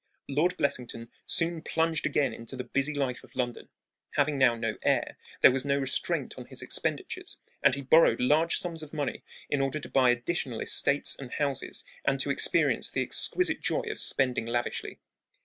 Lord Blessington soon plunged again into the busy life of London. Having now no heir, there was no restraint on his expenditures, and he borrowed large sums of money in order to buy additional estates and houses and to experience the exquisite joy of spending lavishly.